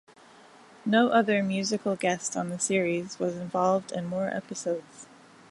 No other musical guest on the series was involved in more episodes.